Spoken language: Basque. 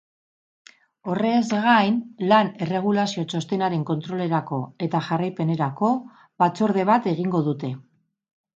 Horrez gain, lan erregulazio txostenaren kontrolerako eta jarraipenerako batzorde bat egingo dute.